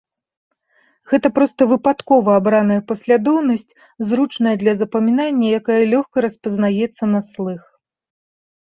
Гэта проста выпадкова абраная паслядоўнасць, зручная для запамінання, якая лёгка распазнаецца на слых.